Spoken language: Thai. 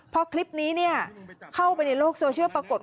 พอคลิปนี้เข้าไปในโลกโซเชียลปรากฏ